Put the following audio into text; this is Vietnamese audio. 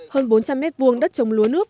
hơn bốn trăm linh mét vuông đất trồng lúa nước